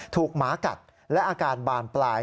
หมากัดและอาการบานปลาย